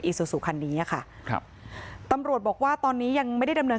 ซูซูคันนี้อ่ะค่ะครับตำรวจบอกว่าตอนนี้ยังไม่ได้ดำเนิน